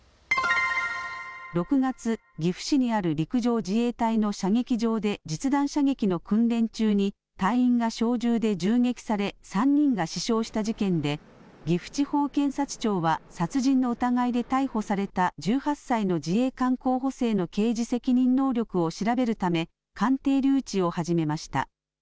６月、岐阜市にある陸上自衛隊の射撃場で実弾射撃の訓練中に隊員が小銃で銃撃され３人が死傷した事件で岐阜地方検察庁は殺人の疑いで逮捕された１８歳の自衛官候補生の刑事責任能力を調べるため鑑定留置を始めました。